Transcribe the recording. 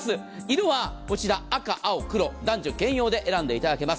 色はこちら赤、青、黒男女兼用で選んでいただけます。